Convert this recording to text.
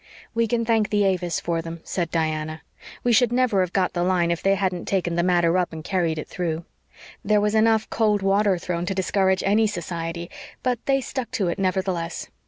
"We can thank the A. V. I. S. for them," said Diana. "We should never have got the line if they hadn't taken the matter up and carried it through. There was enough cold water thrown to discourage any society. But they stuck to it, nevertheless.